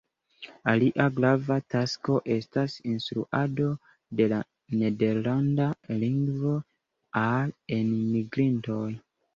Alia grava tasko estas instruado de la nederlanda lingvo al enmigrintoj.